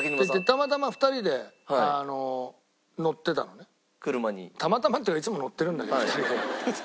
「たまたま」っていうかいつも乗ってるんだけど２人で。